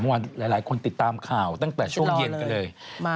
วันหลายคนติดตามข่าวตั้งแต่ช่วงเย็นกันเลย